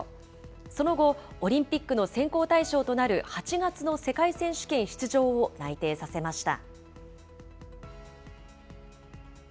その後、オリンピックの選考対象となる８月の世界選手権出場を内定させました。